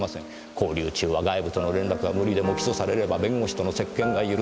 拘留中は外部との連絡は無理でも起訴されれば弁護士との接見が許される。